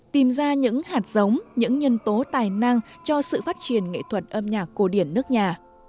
tìm ra những hạt giống những nhân tố tài năng cho sự phát triển nghệ thuật âm nhạc cổ điển nước nhà